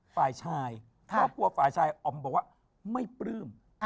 ฝ่ายชายอ้อมบอกว่าไม่ปลื้ม